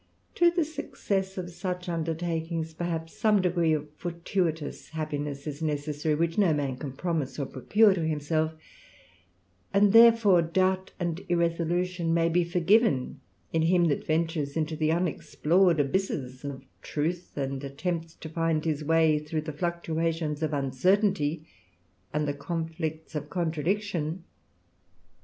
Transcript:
To the success of such undertakings, perhaps, some degree of fortuitous happiness is necessary, which no man can promise ^^ procure to himself; and therefore doubt and irresolution ^^y be forgiven in him that ventures into the unexplored ^^ysses of truth, and attempts to find his way through the Actuations of uncertainty, and the conflicts of contradiction.